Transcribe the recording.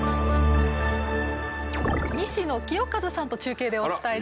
西野清和さんと中継でお伝えします。